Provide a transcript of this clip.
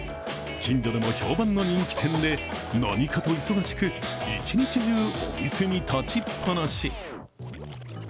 近所でも評判の人気店で何かと忙しく一日中、お店に立ちっぱなし。